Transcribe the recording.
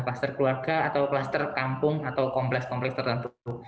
klaster keluarga atau klaster kampung atau kompleks kompleks tertentu